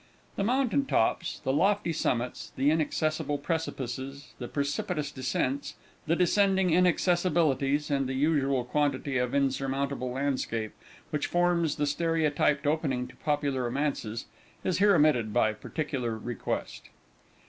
The mountain tops, the lofty summits, the inaccessible precipices, the precipitous descents, the descending inaccessibilities, and the usual quantity of insurmountable landscape, which forms the stereotyped opening to popular romances, is here omitted by particular request.